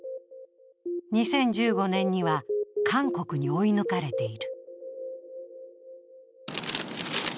２０１５年には韓国に追い抜かれている。